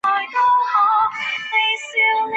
第十九届中共中央委员。